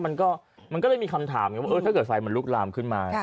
มันก็เลยมีคำถามไงว่าถ้าเกิดไฟมันลุกลามขึ้นมา